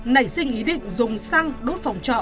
nảy sinh ý định dùng xăng đốt phòng trọ